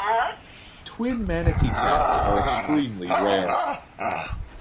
Twin manatee calves are extremely rare.